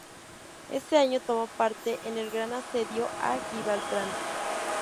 Ese año tomó parte en el Gran Asedio a Gibraltar.